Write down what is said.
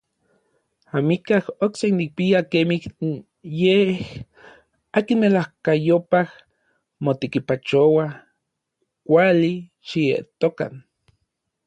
Amikaj okse nikpia kemij n yej akin melajkayopaj motekipachoua kuali xietokan.